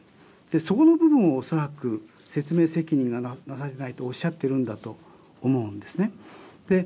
そこの部分をおそらく説明責任がなされていないとおっしゃっているんだと思うんですね。